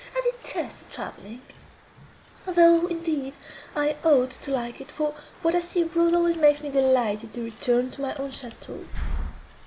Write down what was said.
I detest travelling; though, indeed, I ought to like it, for what I see abroad always makes me delighted to return to my own château.